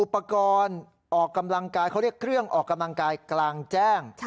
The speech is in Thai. มีออกกำลังกายเครื่องกลางแจ้ง